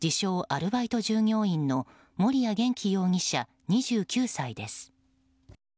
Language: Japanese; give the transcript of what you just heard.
アルバイト従業員の森谷元気容疑者、２９歳です。